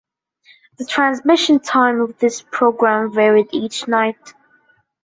The transmission time of this programme varied each night.